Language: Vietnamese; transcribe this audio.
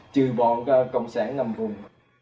trừ bọn cộng sản năm vùng